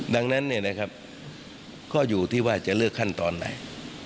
ดังนั้นเนี่ยนะครับก็อยู่ที่ว่าจะเลือกขั้นตอนไหน